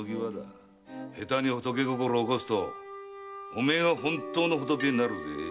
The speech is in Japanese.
下手に仏心を起こすとおめえが本当の仏になるぜ。